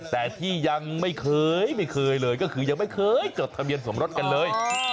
แต่ที่ยังไม่เคยไม่เคยเลยก็คือยังไม่เคยจดทะเบียนสมรสกันเลย